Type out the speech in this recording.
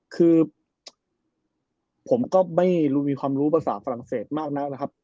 คือผมก็ไม่รู้มีความรู้ภาษาฝรั่งเศสมากนักนะครับ